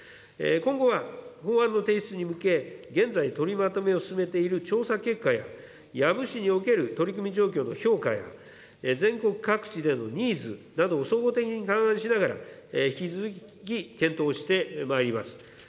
今後は、法案の提出に向け、現在取りまとめを進めている調査結果や、養父市における取り組み状況の評価や、全国各地でのニーズなどを総合的に勘案しながら、引き続き検討してまいります。